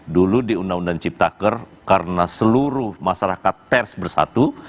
dulu di undang undang ciptaker karena seluruh masyarakat pers bersatu